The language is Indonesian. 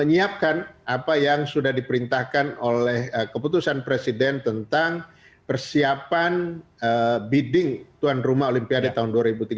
menyiapkan apa yang sudah diperintahkan oleh keputusan presiden tentang persiapan bidding tuan rumah olimpiade tahun dua ribu tiga puluh